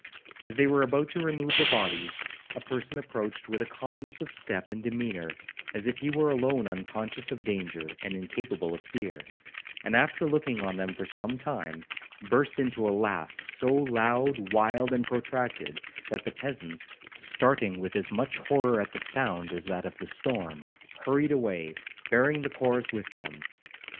As they were about to remove the bodies, a person approached with a calmness of step and demeanour, as if he were alone unconscious of danger, and incapable of fear; and after looking on them for some time, burst into a laugh so loud, wild, and protracted, that the peasants, starting with as much horror at the sound as at that of the storm, hurried away, bearing the corse with them.